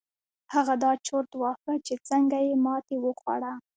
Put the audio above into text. هغه دا چورت واهه چې څنګه يې ماتې وخوړه.